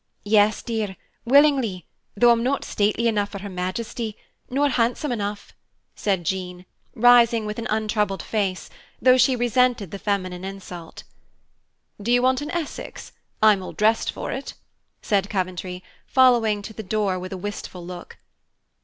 "Yes, dear, willingly though I'm not stately enough for Her Majesty, nor handsome enough," said Jean, rising with an untroubled face, though she resented the feminine insult. "Do you want an Essex? I'm all dressed for it," said Coventry, following to the door with a wistful look.